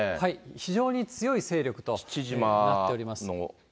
非常に強い勢力となっております。